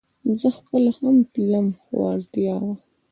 زه خپله هم تلم خو اړتيا وه